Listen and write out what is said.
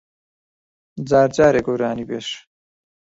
جار جارێ گۆرانیبێژ